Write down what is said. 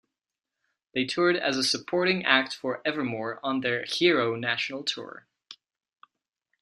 They toured as a supporting act for Evermore on their 'Hero' National Tour.